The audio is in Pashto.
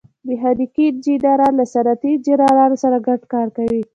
میخانیکي انجینران له صنعتي انجینرانو سره ګډ کار کوي.